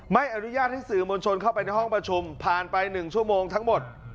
ไม่อนุญาตให้สื่อมวลชนเข้าไปในห้องประชุมผ่านไป๑ชั่วโมงทั้งหมด